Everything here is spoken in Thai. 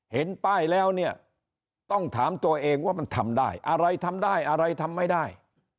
เห็นป้ายแล้วเนี่ยต้องถามตัวเองว่ามันทำได้อะไรทำได้อะไรทำไม่ได้